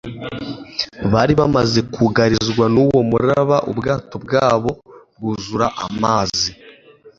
Bari bamaze kugarizwa n'uwo muraba, ubwato bwabo bwuzura amazi,